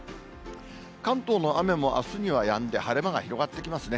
関東の雨もあすにはやんで、晴れ間が広がってきますね。